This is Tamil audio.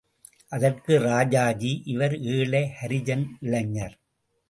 அதற்கு ராஜாஜி இவர் ஏழை ஹரிஜன் இளைஞர்.